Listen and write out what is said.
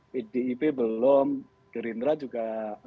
pdip belum gerindra juga